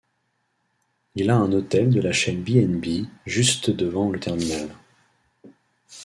Il y a un hôtel de la chaîne B&B juste devant le terminal.